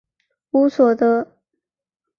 乌索德。